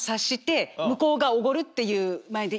向こうがおごるっていう前で。